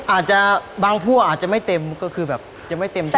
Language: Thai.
อาจจะบางพั่วอาจจะไม่เต็มก็คือแบบจะไม่เต็มใจ